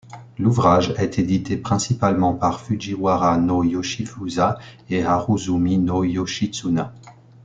L'ouvrage est édité principalement par Fujiwara no Yoshifusa et Haruzumi no Yoshitsuna.